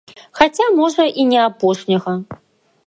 Хаця, можа, і не апошняга.